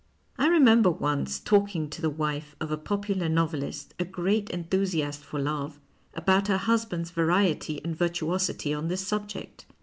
I remember once talking to the wife of a popular novelist, a great enthusiast for love, about her husband's variety and virtuosity on this subject.